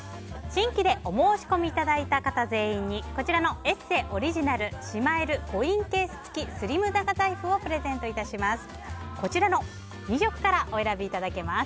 新規でお申し込みいただいた方全員にこちらの「ＥＳＳＥ」オリジナルしまえるコインケース付きスリム長財布をプレゼントいたします。